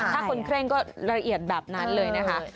ถ้าคนเคร่งก็ละเอียดแบบนั้นเลยนะคะ